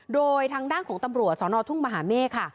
โดยทางด้านของตำรวจสนทุ่งมหาเมฆค่ะ